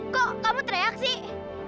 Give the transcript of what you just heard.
kok kamu teriak sih